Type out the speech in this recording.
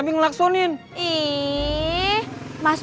bang ojak lagi ngejek be